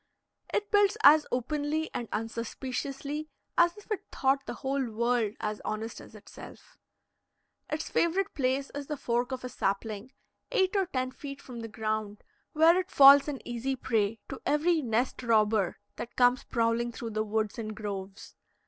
It builds as openly and unsuspiciously as if it thought the whole world as honest as itself. Its favorite place is the fork of a sapling, eight or ten feet from the ground, where it falls an easy prey to every nest robber that comes prowling through the woods and groves.